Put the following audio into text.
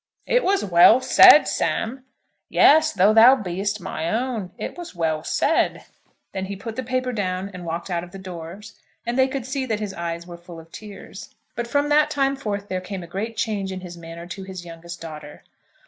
"It was well said, Sam. Yes; though thou be'est my own, it was well said." Then he put the paper down and walked out of doors, and they could see that his eyes were full of tears. But from that time forth there came a great change in his manner to his youngest daughter.